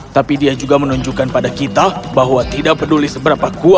tapi dia juga menunjukkan pada kita bahwa tidak peduli seberapa kuat